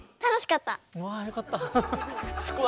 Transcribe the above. うわよかった。